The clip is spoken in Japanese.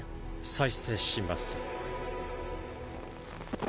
再生します。